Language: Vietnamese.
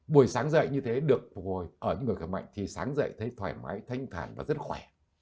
buổi sáng dậy như thế được phục hồi ở những người khỏe mạnh thì sáng dạy thấy thoải mái thanh thản và rất khỏe